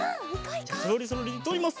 じゃあそろりそろりとおります！